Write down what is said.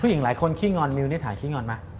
หญิงหลายคนขี้งอนมิวนี่ถ่ายขี้งอนไหม